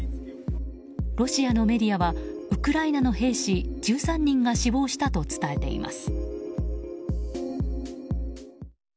ロシアのメディアはウクライナの兵士１３人が死亡したと伝えています。